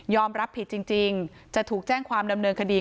รับผิดจริงจะถูกแจ้งความดำเนินคดี